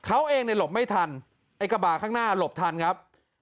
เขาเองเนี่ยหลบไม่ทันไอ้กระบะข้างหน้าหลบทันครับ